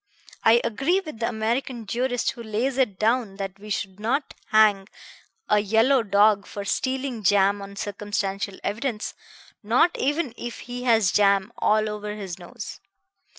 I agree with the American jurist who lays it down that we should not hang a yellow dog for stealing jam on circumstantial evidence, not even if he has jam all over his nose.